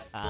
あ！